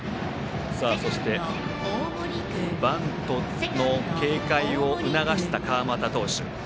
そしてバントの警戒を促した川又投手。